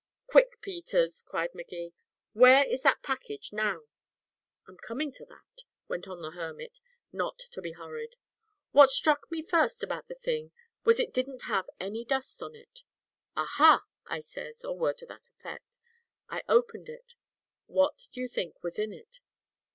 "Quick, Peters," cried Magee, "where is that package now?" "I'm coming to that," went on the hermit, not to be hurried. "What struck me first about the thing was it didn't have any dust on it. 'Aha,' I says, or words to that effect. I opened it. What do you think was in it?"